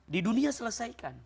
di dunia selesaikan